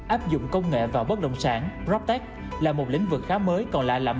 áp dụng công nghệ vào bất động sản proptech là một lĩnh vực khá mới còn lạ lặng